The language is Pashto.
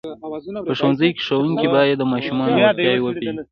په ښوونځیو کې ښوونکي باید د ماشومانو وړتیاوې وپېژني.